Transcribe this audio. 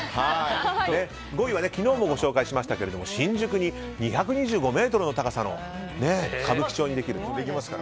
５位は昨日もご紹介しましたが新宿に２２５ｍの高さの歌舞伎町にできる。